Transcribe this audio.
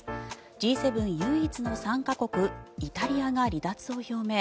Ｇ７唯一の参加国、イタリアが離脱を表明。